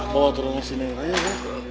bawa ke udang si neng raya ya